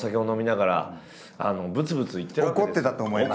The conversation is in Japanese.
怒ってたと思いますよ。